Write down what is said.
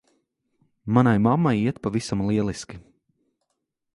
Manai mammai iet pavisam lieliski.